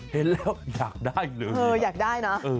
เห็นแล้วอยากได้เลยอยากได้นะ